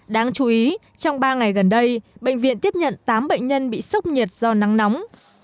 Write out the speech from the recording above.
đáng chú ý trong ba ngày gần đây bệnh viện tiếp nhận tám bệnh nhân bị sốc nhiệt do nắng nóng